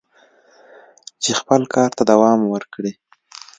چې خپل کار ته دوام ورکړي."